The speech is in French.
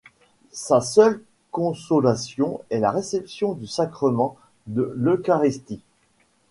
Sa seule consolation est la réception du sacrement de l’eucharistie.